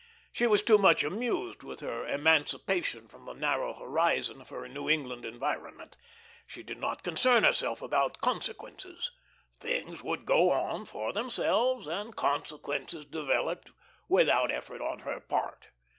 She was too much amused with her emancipation from the narrow horizon of her New England environment. She did not concern herself about consequences. Things would go on for themselves, and consequences develop without effort on her part.